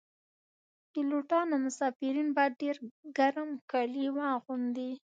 پیلوټان او مسافرین باید ډیر ګرم کالي واغوندي